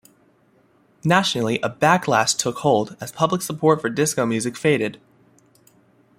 Nationally, a "backlash" took hold, as public support for disco music faded.